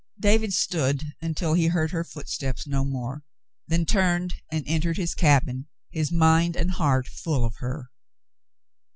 David stood until he heard her footsteps no more, then turned and entered his cabin, his mind and heart full of her.